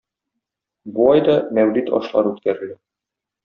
Бу айда Мәүлид ашлары үткәрелә.